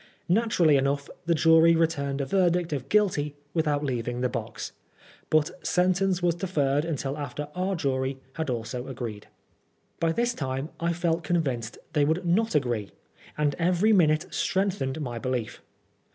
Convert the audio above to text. Naturally enough the jury returned a verdict of Guilty without leaving the box ; but sentence was deferred until our jury had also agreed. By this time I felt convinced they would not agree, and every minute strengthened my belief.